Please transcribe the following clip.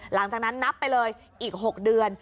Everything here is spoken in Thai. หลังจากนั้นนับไปเลยอีก๖เดือน